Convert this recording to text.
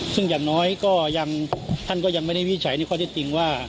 ซึ่งอย่างน้อยท่านก็ยังไม่ได้วิทยาศาสตร์ในข้อที่จริงว่า